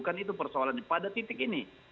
kan itu persoalannya pada titik ini